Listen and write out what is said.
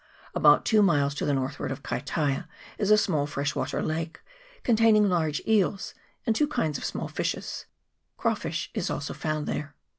About two miles to the northward of Kaitaia is a small fresh water lake, containing large eels and two kinds of small fishes ; crawfish is also found there.